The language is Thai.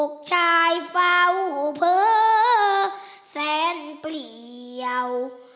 ชายเฝ้าเผลอแสนเปลี่ยว